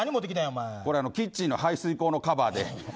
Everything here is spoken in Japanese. キッチンの排水溝のカバーです。